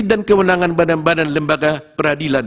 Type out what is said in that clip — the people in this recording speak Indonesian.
dan kewenangan badan badan lembaga peradilan